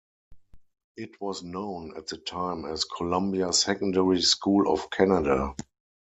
It was known at the time as Columbia Secondary School of Canada.